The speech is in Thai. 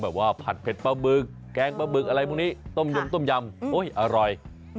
แบบว่าผัดเผ็ดปะบึกแกงปะบึกอะไรพรุ่งนี้ต้มยำต้มยำโอ๊ยอร่อย